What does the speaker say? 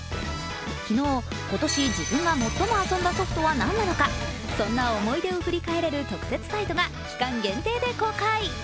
昨日、今年自分が最も遊んだソフトは何なのかそんな思い出を振り返れる特設サイトが期間限定で公開。